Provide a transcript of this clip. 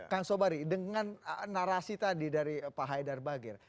kang sobari dengan narasi tadi dari pak haidar bagir